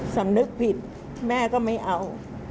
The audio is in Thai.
สำนึกผิดแม่ก็ไม่เอา